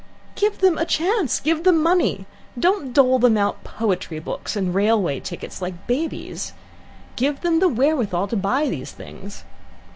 "Give them a chance. Give them money. Don't dole them out poetry books and railway tickets like babies. Give them the wherewithal to buy these things.